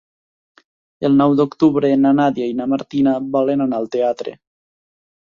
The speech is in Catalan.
El nou d'octubre na Nàdia i na Martina volen anar al teatre.